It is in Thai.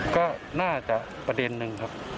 ก็น่าจะประเด็นหนึ่งครับ